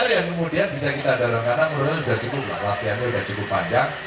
yang kemudian bisa kita dalam karena menurutnya sudah cukup lah latihan sudah cukup panjang